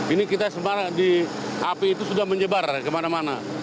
ini kita sebaran di api itu sudah menyebar kemana mana